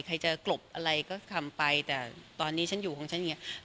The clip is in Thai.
ใครจะกลบอะไรก็ทำไปแต่ตอนนี้ฉันอยู่ของฉันอย่างนี้